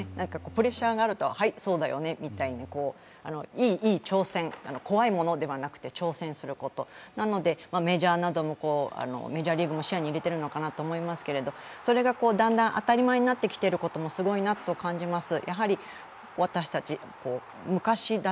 プレッシャーがあると、はい、そうだよねみたいに、いい挑戦、怖いものではなくて、挑戦することなので、メジャーリーグなども視野に入れているのかなと思いますけど、それがだんだん当たり前になってきていることもすごいなと感じます。